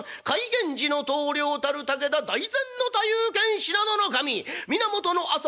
源氏の棟梁たる武田大膳大夫兼信濃守源朝臣